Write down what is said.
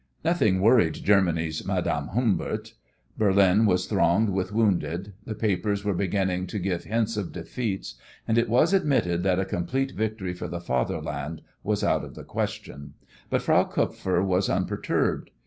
Nothing worried Germany's "Madame Humbert." Berlin was thronged with wounded; the papers were beginning to give hints of defeats; and it was admitted that a complete victory for the Fatherland was out of the question but Frau Kupfer was unperturbed.